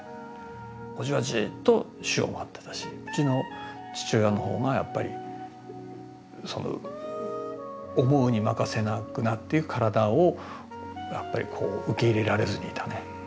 叔父はじっと死を待ってたしうちの父親のほうがやっぱり思うに任せなくなっていく体をやっぱりこう受け入れられずにいたね。